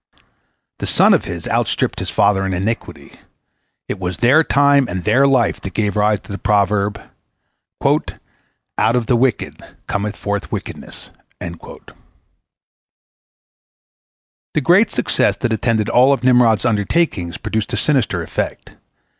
This son of his outstripped his father in iniquity. It was their time and their life that gave rise to the proverb, "Out of the wicked cometh forth wickedness." The great success that attended all of Nimrod's undertakings produced a sinister effect.